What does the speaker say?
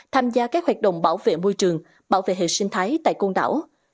tham gia các hoạt động bảo vệ môi trường bảo vệ hệ sinh thái tại côn đảo